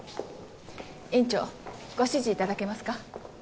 院長ご指示いただけますか？